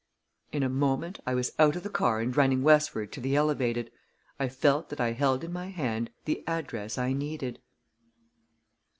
In a moment I was out of the car and running westward to the Elevated. I felt that I held in my hand the address I needed.